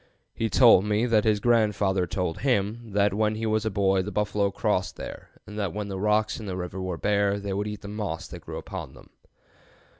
He told me that his grandfather told him that when he was a boy the buffalo crossed there, and that when the rocks in the river were bare they would eat the moss that grew upon them."